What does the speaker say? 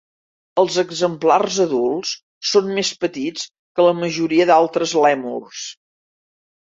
Els exemplars adults són més petits que la majoria d'altres lèmurs.